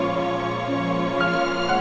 aku mau makan